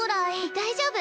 大丈夫！